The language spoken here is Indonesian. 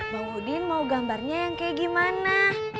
bang udin mau gambarnya yang kayak gimana